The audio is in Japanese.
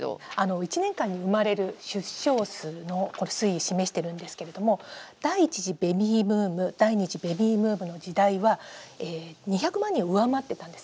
１年間に産まれる出生数の推移を示してるんですけれども第１次ベビーブーム第２次ベビーブームの時代は２００万人を上回ってたんですね